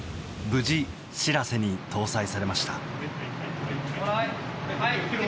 無事「しらせ」に搭載されました。